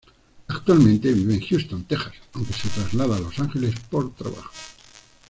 Actualmente vive en Houston, Texas aunque se traslada a Los Ángeles por trabajo.